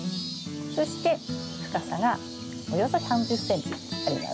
そして深さがおよそ３０ｃｍあります。